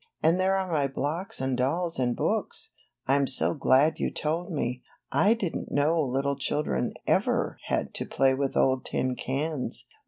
And there are my blocks and dolls and books! I'm so glad you told me; I didn't know Kttle children ever had to play with old tin cans."